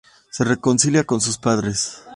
Se reconcilia con sus padres.